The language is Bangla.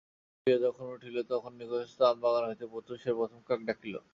পূজা সমাধা করিয়া যখন উঠিল তখন নিকটস্থ আমবাগান হইতে প্রত্যুষের প্রথম কাক ডাকিল।